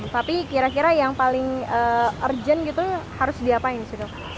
tapi kira kira yang paling urgent gitu harus diapain sih dok